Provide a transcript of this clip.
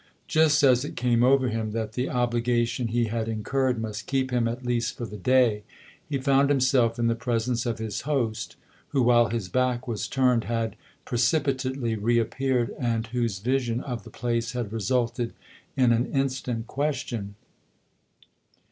Just as it came over him that the obligation he had incurred must keep him at least for the day, he found himself in the presence of his host, who, while his back was turned, had precipitately reappeared and whose vision of the place had resulted in an instant question.